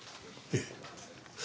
ええ。